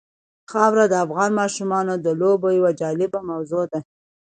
خاوره د افغان ماشومانو د لوبو یوه جالبه موضوع ده.